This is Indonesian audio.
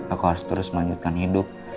aku harus terus melanjutkan hidup